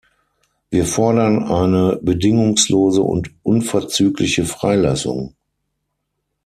Wir fordern eine bedingungslose und unverzügliche Freilassung!